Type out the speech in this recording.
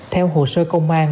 theo hồ sơ công an